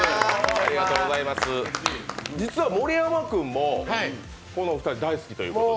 実は盛山君もこのお二人、大好きということで。